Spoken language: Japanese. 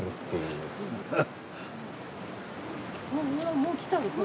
もう来たよ